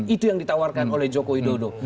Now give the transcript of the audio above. itu yang ditawarkan oleh jokowi dodo